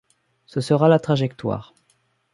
Ce sera la trajectoire.